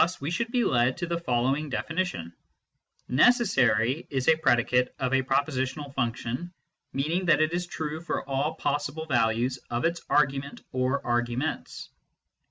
Thus we should be led to the following definition :" NECESSARY is a predicate of a propositional function, meaning that it is true for all possible values of its argument or arguments."